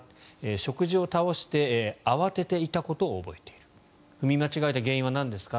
植樹を倒して慌てていたことを覚えている踏み間違えた原因はなんですか？